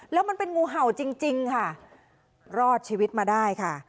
แล้วมันเป็นงูเห่าจริงจริงค่ะรอดชีวิตมาได้ค่ะ